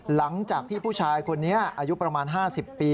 หลังจากที่ผู้ชายคนนี้อายุประมาณ๕๐ปี